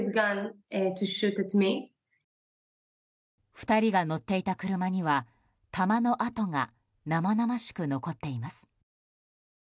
２人が乗っていた車には弾の跡が生々しく残っています。